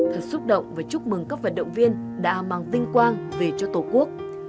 thật xúc động và chúc mừng các vận động viên đã mang vinh quang về cho tổ quốc